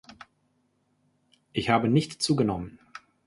Ich habe nicht zugenommen!